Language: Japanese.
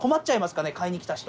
買いに来た人。